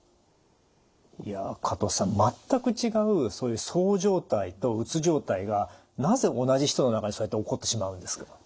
いや加藤さん全く違うそう状態とうつ状態がなぜ同じ人の中でそうやって起こってしまうんですか？